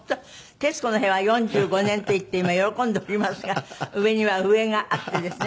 『徹子の部屋』は４５年といって今喜んでおりますが上には上があってですね